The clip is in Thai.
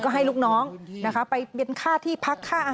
๕๐๐๐๐บาทในฐานะที่เป็นที่ปรึกษา